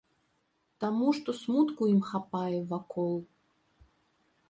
Таму што смутку ім хапае вакол.